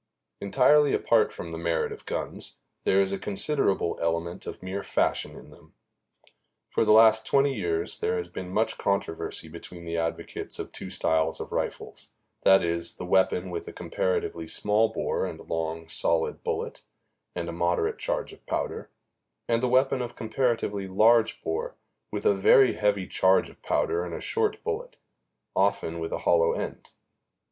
Entirely apart from the merit of guns, there is a considerable element of mere fashion in them. For the last twenty years there has been much controversy between the advocates of two styles of rifles that is, the weapon with a comparatively small bore and long, solid bullet and a moderate charge of powder, and the weapon of comparatively large bore with a very heavy charge of powder and a short bullet, often with a hollow end.